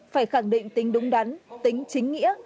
phải khẳng định tính đúng đắn tính chính nghĩa